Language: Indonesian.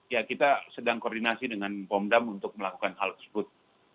ya kita sedang koordinasi dengan pomdam untuk melakukan hal tersebut